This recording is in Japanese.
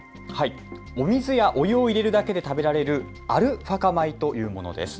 水やお湯を入れるだけで食べられるアルファ化米というものです。